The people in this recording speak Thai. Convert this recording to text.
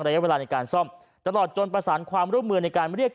ระยะเวลาในการซ่อมตลอดจนประสานความร่วมมือในการเรียก